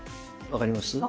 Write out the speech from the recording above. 分かります。